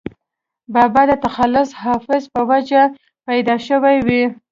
دَبابا دَ تخلص “حافظ ” پۀ وجه پېدا شوې وي